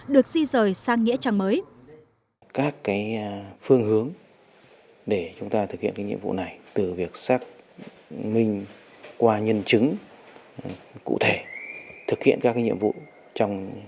được di rời sang nghĩa trang